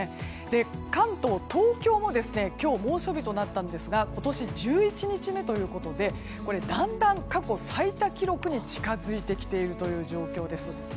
関東、東京も今日、猛暑日となったんですが今年１１日目ということでだんだん過去最多記録に近づいてきている状況です。